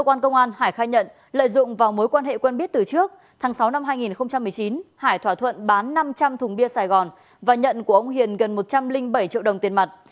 vào sáu năm hai nghìn một mươi chín hải thỏa thuận bán năm trăm linh thùng bia sài gòn và nhận của ông hiền gần một trăm linh bảy triệu đồng tiền mặt